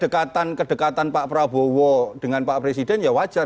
kedekatan pak prabowo dengan pak presiden ya wajar